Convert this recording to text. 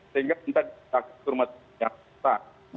sehingga entah ke rumah sakit jakarta